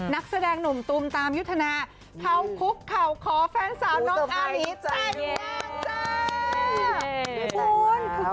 นักแสดงหนุ่มตุ๋มตามยุฒนาข่าวคุกข่าวขอแฟนสาวน้องอาริจันมาแล้ว